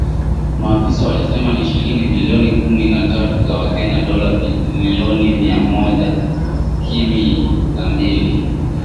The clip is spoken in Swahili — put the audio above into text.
Maafisa walisema ni shilingi bilioni kumi na tatu za Kenya dola milioni Mia Moja Kimi na mbili